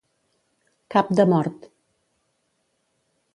Cap de mort.